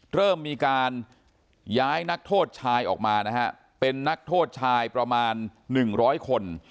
เริ่มมีการย้ายนักโทษชายออกมานะฮะเป็นนักโทษชายประมาณ๑๐๐คน